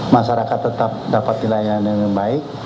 masyarakat tetap dapat dilayani dengan baik